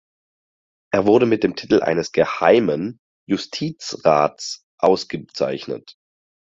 Er wurde mit dem Titel eines Geheimen Justizrats ausgezeichnet.